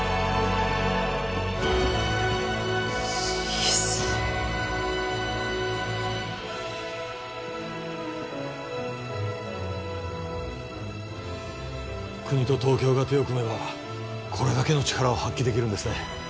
イエス国と東京が手を組めばこれだけの力を発揮できるんですね